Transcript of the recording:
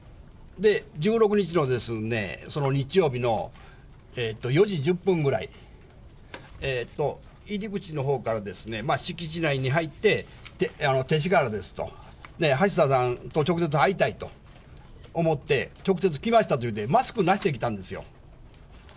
１６日の日曜日の４時１０分ぐらい、入り口のほうからですね、敷地内に入って、勅使河原ですと、橋田さんと直接会いたいと思って、直接来ましたというので、マスクなしで来たんですよ。